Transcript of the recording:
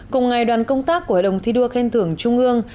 cùng ngày đoàn công tác của hội đồng thi đua khen thưởng trung ương